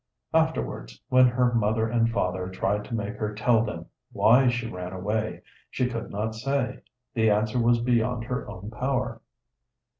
Afterwards, when her mother and father tried to make her tell them why she ran away, she could not say; the answer was beyond her own power.